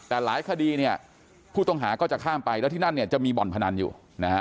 แต่หลายคดีเนี่ยผู้ต้องหาก็จะข้ามไปแล้วที่นั่นเนี่ยจะมีบ่อนพนันอยู่นะฮะ